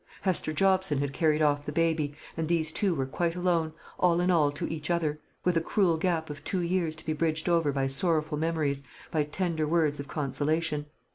Hester Jobson had carried off the baby, and these two were quite alone, all in all to each other, with a cruel gap of two years to be bridged over by sorrowful memories, by tender words of consolation.